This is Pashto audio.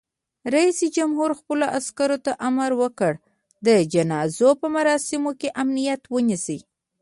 رئیس جمهور خپلو عسکرو ته امر وکړ؛ د جنازو په مراسمو کې امنیت ونیسئ!